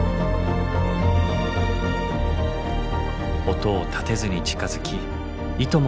音を立てずに近づきいとも